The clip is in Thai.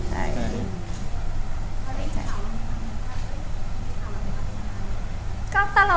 เกิดคำถามหรือเปล่า